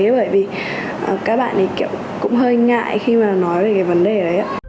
bởi vì các bạn ấy kiểu cũng hơi ngại khi mà nói về cái vấn đề đấy ạ